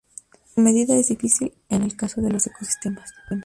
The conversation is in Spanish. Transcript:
Su medida es difícil en el caso de los ecosistemas.